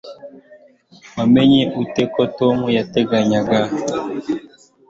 Wamenye ute ko Tom yateganyaga